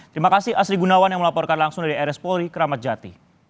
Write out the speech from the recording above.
terima kasih asri gunawan yang melaporkan langsung dari rs polri keramat jati